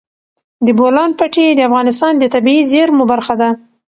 د بولان پټي د افغانستان د طبیعي زیرمو برخه ده.